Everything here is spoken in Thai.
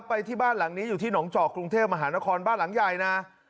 ไปที่บ้านหลังนี้อยู่ที่หนองจอกกรุงเทพมหานครบ้านหลังใหญ่นะ